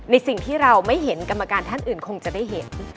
สิ่งที่เราไม่เห็นกรรมการท่านอื่นคงจะได้เห็น